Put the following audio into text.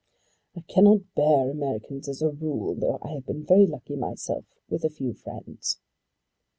"I cannot bear Americans as a rule, though I have been very lucky myself with a few friends."